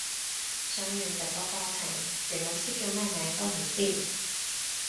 上完成個課程連老師叫咩名都唔知